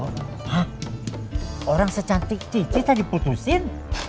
hah orang secantik cici tadi putusin